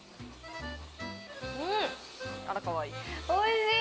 おいしい！